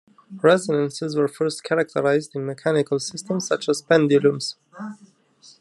Resonances were first characterized in mechanical systems such as pendulums.